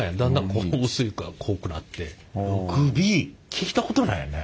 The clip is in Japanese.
聞いたことないね。